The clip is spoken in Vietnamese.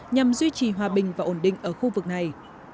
nhằm duy trì hòa bình và ổn định ở khu vực này